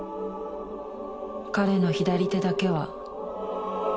「彼の左手だけは」